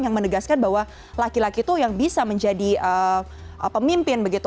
yang menegaskan bahwa laki laki itu yang bisa menjadi pemimpin begitu